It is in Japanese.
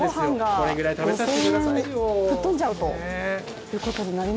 これぐらい食べさせてくださいよ。